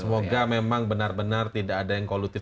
semoga memang benar benar tidak ada yang kolutif